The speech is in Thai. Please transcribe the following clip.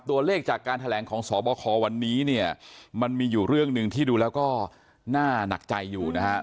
ตัวเลขจากการแถลงของสบควันนี้เนี่ยมันมีอยู่เรื่องหนึ่งที่ดูแล้วก็น่าหนักใจอยู่นะครับ